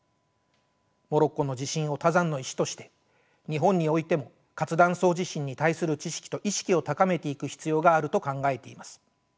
モロッコの地震を他山の石として日本においても活断層地震に対する知識と意識を高めていく必要があると考えています。